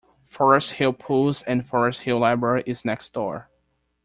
Forest Hill Pools and Forest Hill library is next door.